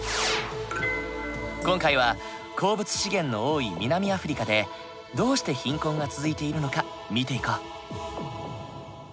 今回は鉱物資源の多い南アフリカでどうして貧困が続いているのか見ていこう。